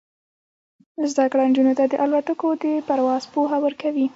زده کړه نجونو ته د الوتکو د پرواز پوهه ورکوي.